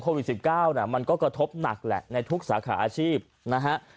โควิด๑๙มันก็กระทบหนักแหละในทุกสาขาอาชีพนะฮะ